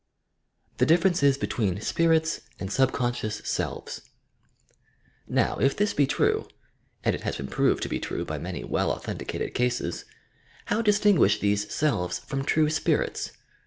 THE DIFFERENCES BETWEEN SPIRITS AND SUBCONSCIOUS Now if this be true (and it has been proved to be true by many well authenticated cases) how distinguish these "selves" from true spirits?